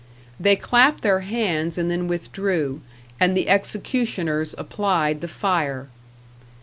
They clapped their hands and then withdrew, and the executioners applied the fire.